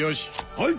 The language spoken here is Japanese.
はい！